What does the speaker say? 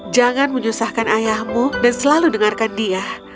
jangan menyusahkan ayahmu dan selalu dengarkan dia